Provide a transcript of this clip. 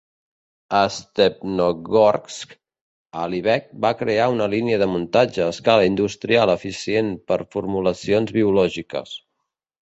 A Stepnogorsk, Alibek va crear una línia de muntatge a escala industrial eficient per formulacions biològiques.